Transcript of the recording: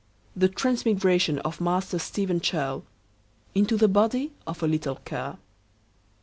IV. The Transmigration of Master STEPHEN CHURL _into the Body of a little Cur.